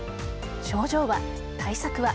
症状は、対策は。